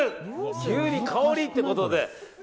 急に香りってことで。